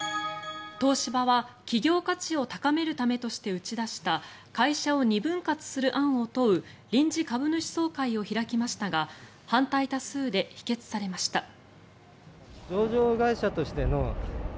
東芝は企業価値を高めるためとして打ち出した会社を２分割する案を問う臨時株主総会を開きましたが反対多数で否決されました。